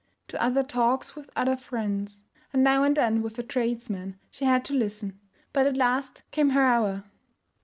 To other talks with other friends, and now and then with a tradesman, she had to listen; but at last came her hour.